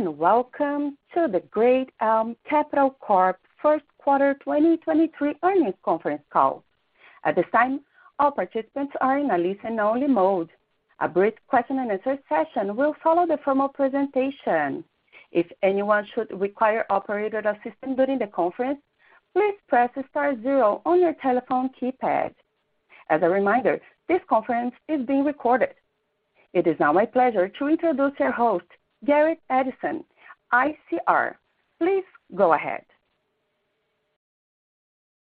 Greetings, welcome to the Great Elm Capital Corp first quarter 2023 earnings conference call. At this time, all participants are in a listen-only mode. A brief question and answer session will follow the formal presentation. If anyone should require operator assistance during the conference, please press Star zero on your telephone keypad. As a reminder, this conference is being recorded. It is now my pleasure to introduce your host, Garrett Edson, ICR. Please go ahead.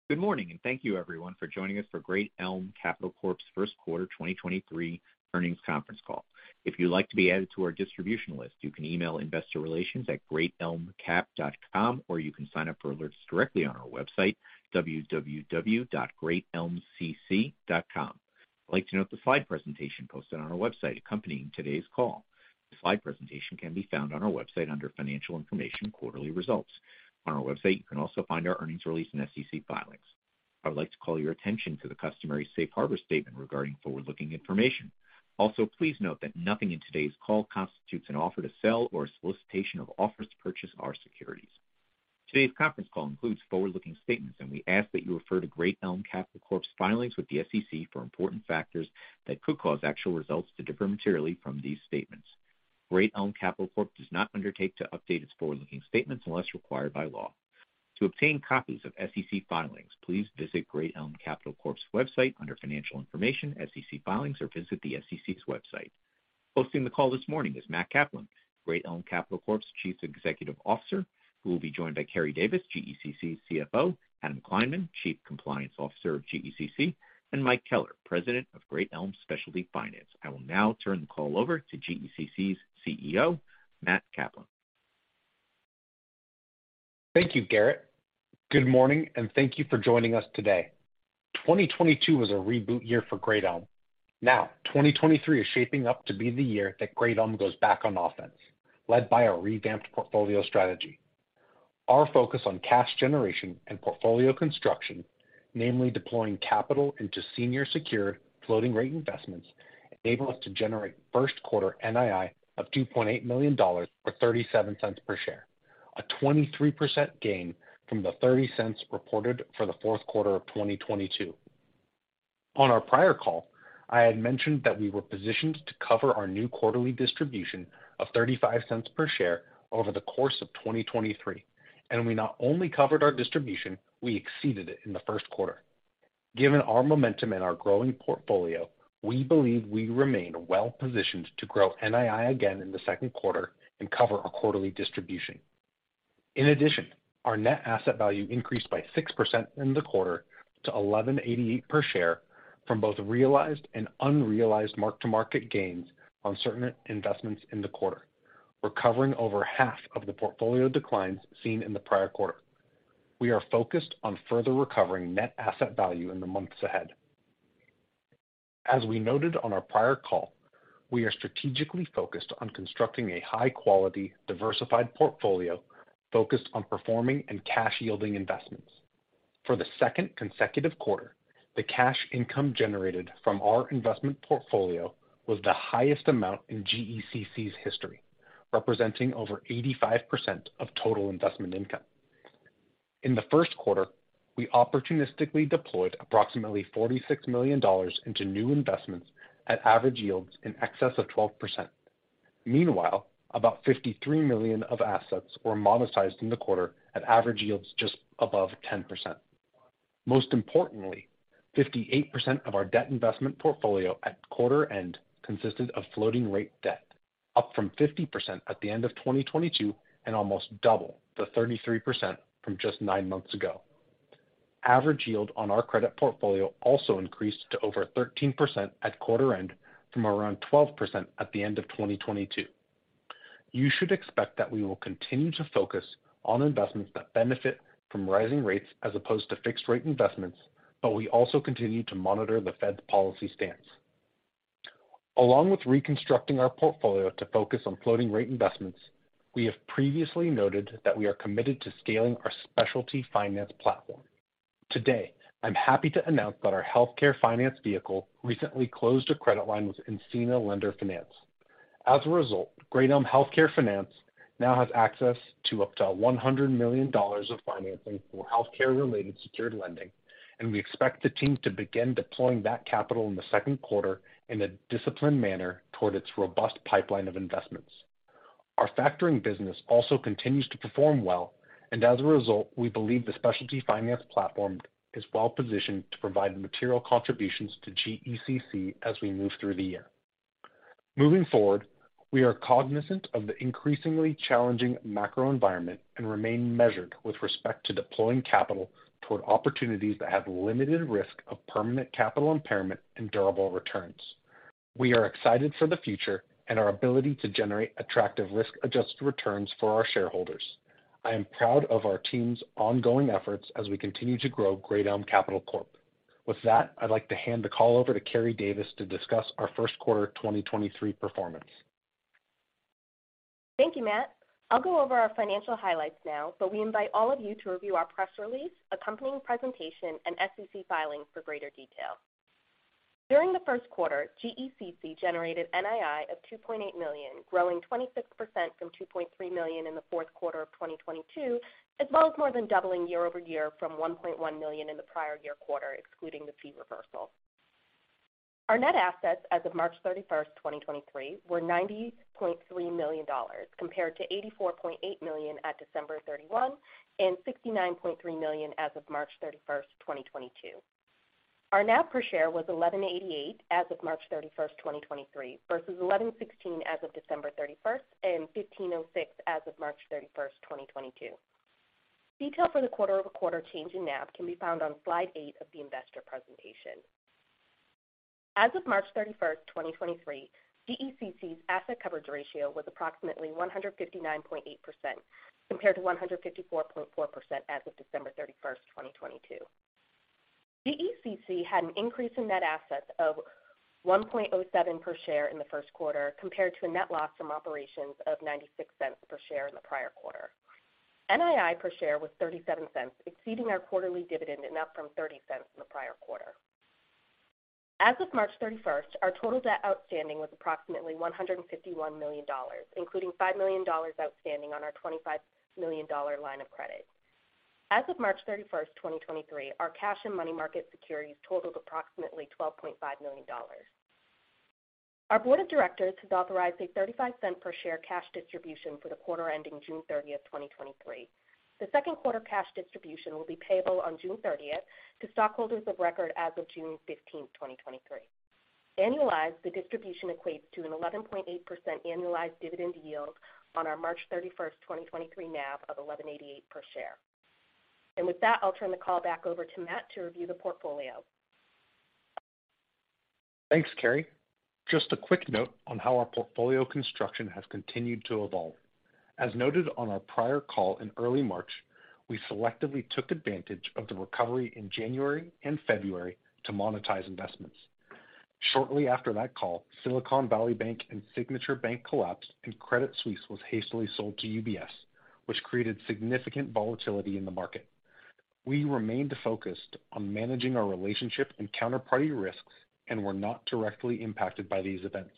Good morning, thank you everyone for joining us for Great Elm Capital Corp's first quarter 2023 earnings conference call. If you'd like to be added to our distribution list, you can email investorrelations@greatelmcap.com, or you can sign up for alerts directly on our website, www.greatelmcc.com. I'd like to note the slide presentation posted on our website accompanying today's call. The slide presentation can be found on our website under Financial Information, Quarterly Results. On our website, you can also find our earnings release and SEC filings. I would like to call your attention to the customary safe harbor statement regarding forward-looking information. Please note that nothing in today's call constitutes an offer to sell or a solicitation of offers to purchase our securities. Today's conference call includes forward-looking statements, and we ask that you refer to Great Elm Capital Corp.'s filings with the SEC for important factors that could cause actual results to differ materially from these statements. Great Elm Capital Corp. does not undertake to update its forward-looking statements unless required by law. To obtain copies of SEC filings, please visit Great Elm Capital Corp.'s website under Financial Information, SEC Filings, or visit the SEC's website. Hosting the call this morning is Matt Kaplan, Great Elm Capital Corp.'s Chief Executive Officer, who will be joined by Keri Davis, GECC's CFO, Adam Kleinman, Chief Compliance Officer of GECC, and Mike Keller, President of Great Elm Specialty Finance. I will now turn the call over to GECC's CEO, Matt Kaplan. Thank you, Garrett. Good morning, thank you for joining us today. 2022 was a reboot year for Great Elm. 2023 is shaping up to be the year that Great Elm goes back on offense, led by our revamped portfolio strategy. Our focus on cash generation and portfolio construction, namely deploying capital into senior secured floating rate investments, enable us to generate first quarter NII of $2.8 million or $0.37 per share, a 23% gain from the $0.30 reported for the fourth quarter of 2022. On our prior call, I had mentioned that we were positioned to cover our new quarterly distribution of $0.35 per share over the course of 2023, and we not only covered our distribution, we exceeded it in the first quarter. Given our momentum and our growing portfolio, we believe we remain well-positioned to grow NII again in the second quarter and cover our quarterly distribution. Our net asset value increased by 6% in the quarter to $11.88 per share from both realized and unrealized mark-to-market gains on certain investments in the quarter. We're covering over half of the portfolio declines seen in the prior quarter. We are focused on further recovering net asset value in the months ahead. As we noted on our prior call, we are strategically focused on constructing a high-quality, diversified portfolio focused on performing in cash-yielding investments. For the second consecutive quarter, the cash income generated from our investment portfolio was the highest amount in GECC's history, representing over 85% of total investment income. In the first quarter, we opportunistically deployed approximately $46 million into new investments at average yields in excess of 12%. Meanwhile, about $53 million of assets were monetized in the quarter at average yields just above 10%. Most importantly, 58% of our debt investment portfolio at quarter end consisted of floating rate debt, up from 50% at the end of 2022 and almost double the 33% from just nine months ago. Average yield on our credit portfolio also increased to over 13% at quarter end from around 12% at the end of 2022. You should expect that we will continue to focus on investments that benefit from rising rates as opposed to fixed rate investments, but we also continue to monitor the Fed's policy stance. Along with reconstructing our portfolio to focus on floating rate investments, we have previously noted that we are committed to scaling our specialty finance platform. Today, I'm happy to announce that our healthcare finance vehicle recently closed a credit line with Encina Lender Finance. As a result, Great Elm Healthcare Finance now has access to up to $100 million of financing for healthcare-related secured lending, and we expect the team to begin deploying that capital in the second quarter in a disciplined manner toward its robust pipeline of investments. Our factoring business also continues to perform well, and as a result, we believe the specialty finance platform is well-positioned to provide material contributions to GECC as we move through the year. Moving forward, we are cognizant of the increasingly challenging macro environment and remain measured with respect to deploying capital toward opportunities that have limited risk of permanent capital impairment and durable returns. We are excited for the future and our ability to generate attractive risk-adjusted returns for our shareholders. I am proud of our team's ongoing efforts as we continue to grow Great Elm Capital Corp. I'd like to hand the call over to Keri Davis to discuss our first quarter 2023 performance. Thank you, Matt. I'll go over our financial highlights now, but we invite all of you to review our press release, accompanying presentation, and SEC filings for greater detail. During the first quarter, GECC generated NII of $2.8 million, growing 26% from $2.3 million in the fourth quarter of 2022, as well as more than doubling year-over-year from $1.1 million in the prior year quarter, excluding the fee reversal. Our net assets as of March 31st, 2023 were $90.3 million, compared to $84.8 million at December 31 and $69.3 million as of March 31st, 2022. Our NAV per share was $11.88 as of March 31st, 2023 versus $11.16 as of December 31st and $15.06 as of March 31st, 2022. Detail for the quarter-over-quarter change in NAV can be found on slide 8 of the investor presentation. As of March 31, 2023, GECC's asset coverage ratio was approximately 159.8%, compared to 154.4% as of December 31, 2022. GECC had an increase in net assets of $1.07 per share in the first quarter, compared to a net loss from operations of $0.96 per share in the prior quarter. NII per share was $0.37, exceeding our quarterly dividend and up from $0.30 in the prior quarter. As of March 31, our total debt outstanding was approximately $151 million, including $5 million outstanding on our $25 million line of credit. As of March 31, 2023, our cash and money market securities totaled approximately $12.5 million. Our board of directors has authorized a $0.35 per share cash distribution for the quarter ending June 30, 2023. The second quarter cash distribution will be payable on June 30 to stockholders of record as of June 15, 2023. Annualized, the distribution equates to an 11.8% annualized dividend yield on our March 31, 2023 NAV of $11.88 per share. With that, I'll turn the call back over to Matt to review the portfolio. Thanks, Keri. Just a quick note on how our portfolio construction has continued to evolve. As noted on our prior call in early March, we selectively took advantage of the recovery in January and February to monetize investments. Shortly after that call, Silicon Valley Bank and Signature Bank collapsed and Credit Suisse was hastily sold to UBS, which created significant volatility in the market. We remained focused on managing our relationship and counterparty risks and were not directly impacted by these events.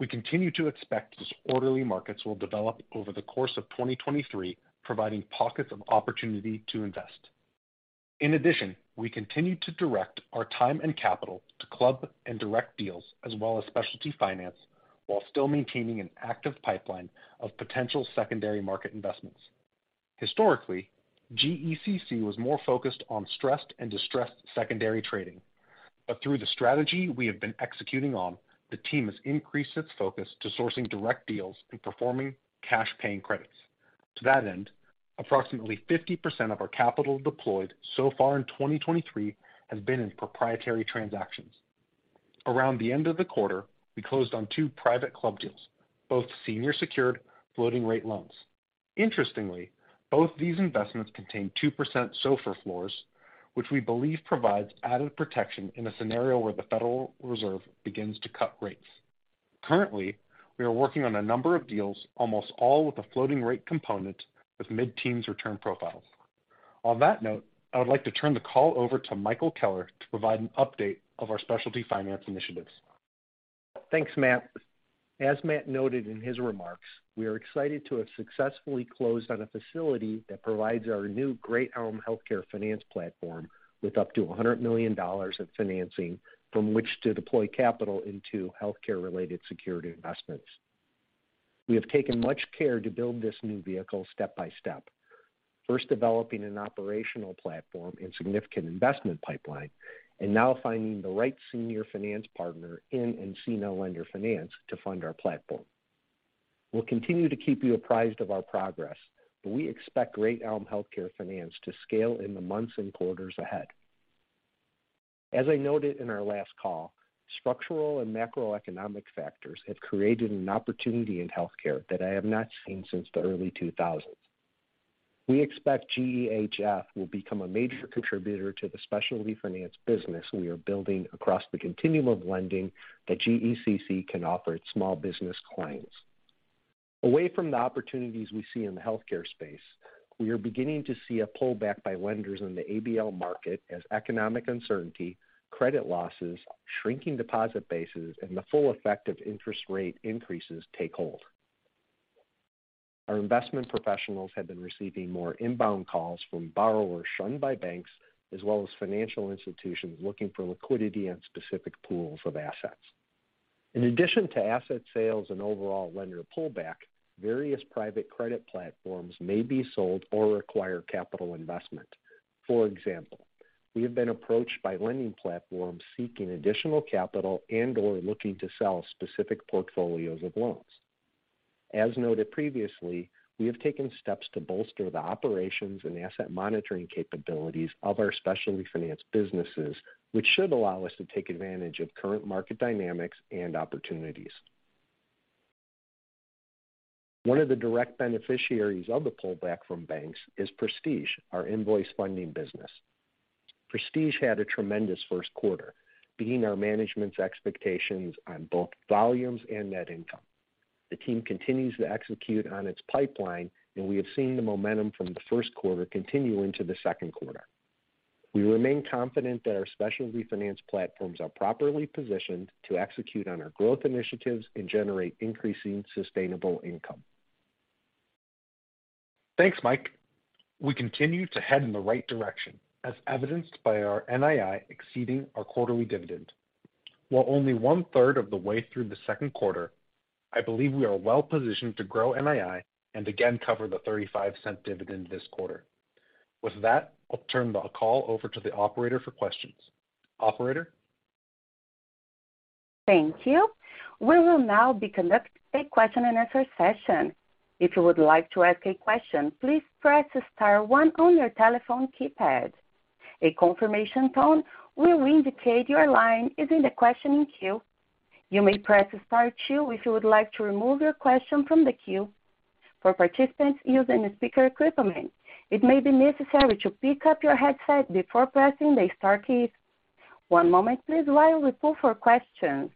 We continue to expect disorderly markets will develop over the course of 2023, providing pockets of opportunity to invest. In addition, we continue to direct our time and capital to club and direct deals as well as specialty finance, while still maintaining an active pipeline of potential secondary market investments. Historically, GECC was more focused on stressed and distressed secondary trading. Through the strategy we have been executing on, the team has increased its focus to sourcing direct deals and performing cash paying credits. To that end, approximately 50% of our capital deployed so far in 2023 has been in proprietary transactions. Around the end of the quarter, we closed on two private club deals, both senior secured floating rate loans. Interestingly, both these investments contain 2% SOFR floors, which we believe provides added protection in a scenario where the Federal Reserve begins to cut rates. Currently, we are working on a number of deals, almost all with a floating rate component, with mid-teens return profiles. On that note, I would like to turn the call over to Michael Keller to provide an update of our specialty finance initiatives. Thanks, Matt. As Matt noted in his remarks, we are excited to have successfully closed on a facility that provides our new Great Elm Healthcare Finance platform with up to $100 million of financing from which to deploy capital into healthcare-related security investments. We have taken much care to build this new vehicle step by step, first developing an operational platform and significant investment pipeline, and now finding the right senior finance partner in Encina Lender Finance to fund our platform. We'll continue to keep you apprised of our progress. We expect Great Elm Healthcare Finance to scale in the months and quarters ahead. As I noted in our last call, structural and macroeconomic factors have created an opportunity in healthcare that I have not seen since the early 2000s. We expect GEHF will become a major contributor to the specialty finance business we are building across the continuum of lending that GECC can offer its small business clients. Away from the opportunities we see in the healthcare space, we are beginning to see a pullback by lenders in the ABL market as economic uncertainty, credit losses, shrinking deposit bases, and the full effect of interest rate increases take hold. Our investment professionals have been receiving more inbound calls from borrowers shunned by banks, as well as financial institutions looking for liquidity on specific pools of assets. In addition to asset sales and overall lender pullback, various private credit platforms may be sold or require capital investment. For example, we have been approached by lending platforms seeking additional capital and/or looking to sell specific portfolios of loans. As noted previously, we have taken steps to bolster the operations and asset monitoring capabilities of our specialty finance businesses, which should allow us to take advantage of current market dynamics and opportunities. One of the direct beneficiaries of the pullback from banks is Prestige, our invoice funding business. Prestige had a tremendous first quarter, beating our management's expectations on both volumes and net income. The team continues to execute on its pipeline, and we have seen the momentum from the first quarter continue into the second quarter. We remain confident that our specialty finance platforms are properly positioned to execute on our growth initiatives and generate increasing sustainable income. Thanks, Mike. We continue to head in the right direction, as evidenced by our NII exceeding our quarterly dividend. We're only one-third of the way through the second quarter. I believe we are well-positioned to grow NII and again cover the $0.35 dividend this quarter. With that, I'll turn the call over to the operator for questions. Operator? Thank you. We will now be conducting a question and answer session. If you would like to ask a question, please press star one on your telephone keypad. A confirmation tone will indicate your line is in the questioning queue. You may press star two if you would like to remove your question from the queue. For participants using the speaker equipment, it may be necessary to PIK up your headset before pressing the star key. One moment please while we pull for questions.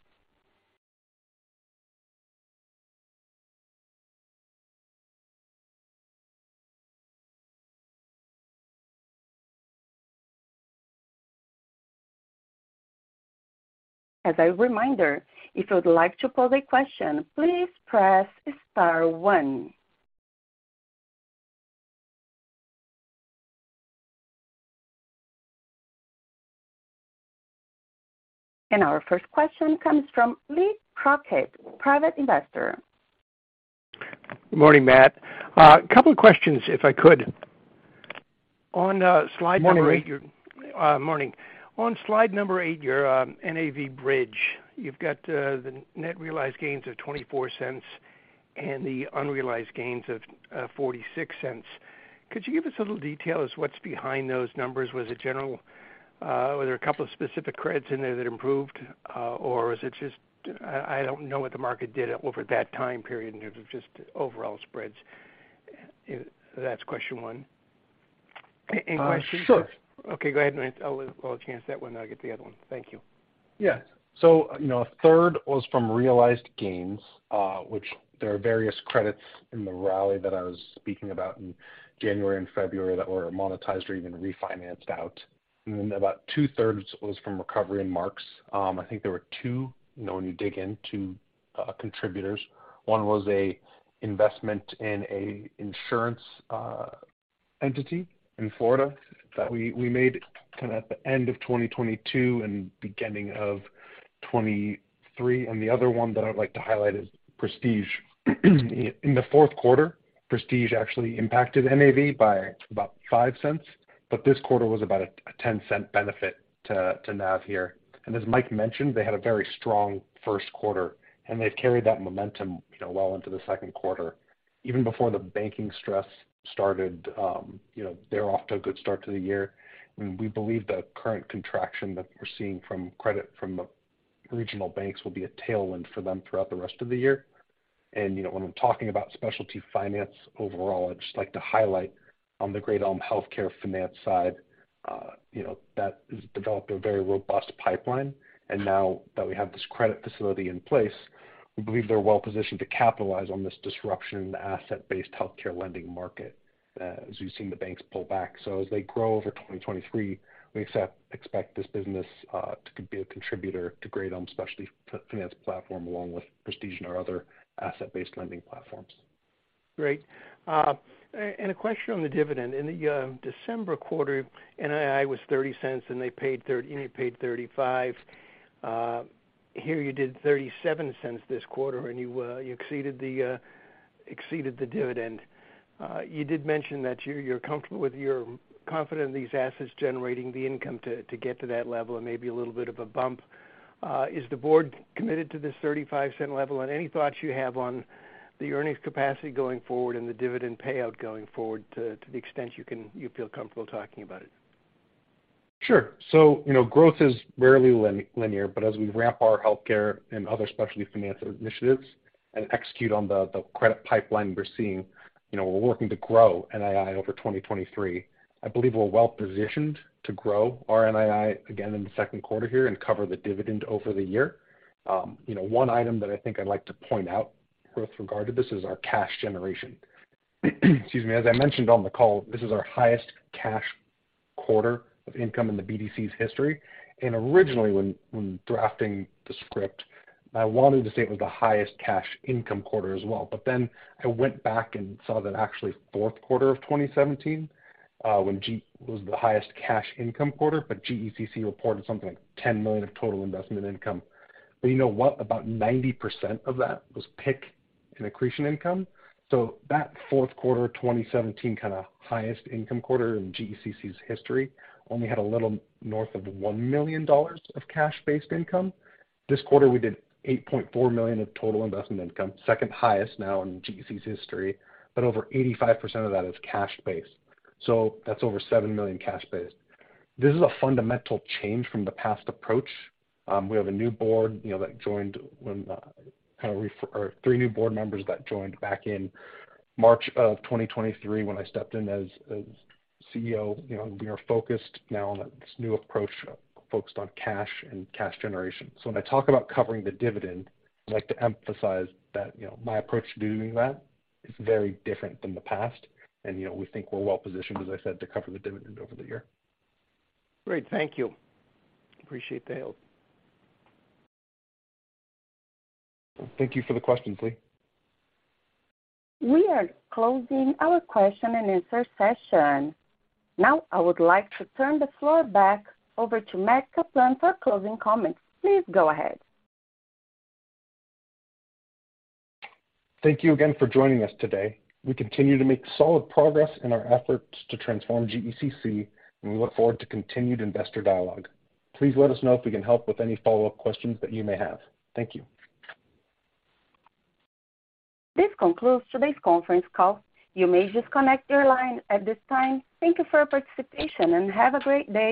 As a reminder, if you would like to pose a question, please press star one. Our first question comes from Lee Crockett, private investor. Morning, Matt. Couple of questions, if I could. On slide number eight. Morning. Morning. On slide number eight, your NAV bridge, you've got the net realized gains of $0.24 and the unrealized gains of $0.46. Could you give us a little detail as to what's behind those numbers? Was it general? Were there a couple of specific credits in there that improved, or is it just... I don't know what the market did over that time period in terms of just overall spreads. That's question one. Any questions? Sure. Okay, go ahead. I'll chance that one. I'll get the other one. Thank you. Yeah. you know, a third was from realized gains, which there are various credits in the rally that I was speaking about in January and February that were monetized or even refinanced out. About two-thirds was from recovery and marks. I think there were two, you know, when you dig in, two contributors. One was a investment in a insurance entity in Florida that we made kind of at the end of 2022 and beginning of 2023. The other one that I'd like to highlight is Prestige. In the fourth quarter, Prestige actually impacted NAV by about $0.05, but this quarter was about a $0.10 benefit to NAV here. As Mike mentioned, they had a very strong first quarter, and they've carried that momentum, you know, well into the second quarter. Even before the banking stress started, you know, they're off to a good start to the year. We believe the current contraction that we're seeing from credit from the regional banks will be a tailwind for them throughout the rest of the year. You know, when I'm talking about specialty finance overall, I'd just like to highlight on the Great Elm Healthcare Finance side, you know, that has developed a very robust pipeline. Now that we have this credit facility in place, we believe they're well-positioned to capitalize on this disruption in the asset-based healthcare lending market, as we've seen the banks pull back. As they grow over 2023, we expect this business to be a contributor to Great Elm Specialty Finance platform, along with Prestige and our other asset-based lending platforms. Great. A question on the dividend. In the December quarter, NII was $0.30, and it paid $0.35. Here you did $0.37 this quarter, and you exceeded the dividend. You did mention that you're confident in these assets generating the income to get to that level and maybe a little bit of a bump. Is the board committed to this $0.35 level? Any thoughts you have on the earnings capacity going forward and the dividend payout going forward to the extent you feel comfortable talking about it? Sure. you know, growth is rarely linear, but as we ramp our healthcare and other specialty finance initiatives and execute on the credit pipeline we're seeing, you know, we're working to grow NII over 2023. I believe we're well-positioned to grow our NII again in the second quarter here and cover the dividend over the year. you know, one item that I think I'd like to point out with regard to this is our cash generation. Excuse me. As I mentioned on the call, this is our highest cash quarter of income in the BDC's history. originally, when drafting the script, I wanted to say it was the highest cash income quarter as well. I went back and saw that actually fourth quarter of 2017, when GECC was the highest cash income quarter, GECC reported something like $10 million of total investment income. You know what? About 90% of that was pick and accretion income. That fourth quarter, 2017 kinda highest income quarter in GECC's history only had a little north of $1 million of cash-based income. This quarter, we did $8.4 million of total investment income, second highest now in GECC's history, over 85% of that is cash-based. That's over $7 million cash-based. This is a fundamental change from the past approach. We have a new board, you know, or three new board members that joined back in March of 2023 when I stepped in as CEO. You know, we are focused now on this new approach, focused on cash and cash generation. When I talk about covering the dividend, I'd like to emphasize that, you know, my approach to doing that is very different than the past. You know, we think we're well-positioned, as I said, to cover the dividend over the year. Great. Thank you. Appreciate the help. Thank you for the question, Lee. We are closing our question and answer session. Now, I would like to turn the floor back over to Matt Kaplan for closing comments. Please go ahead. Thank you again for joining us today. We continue to make solid progress in our efforts to transform GECC, and we look forward to continued investor dialogue. Please let us know if we can help with any follow-up questions that you may have. Thank you. This concludes today's conference call. You may disconnect your line at this time. Thank you for your participation, and have a great day.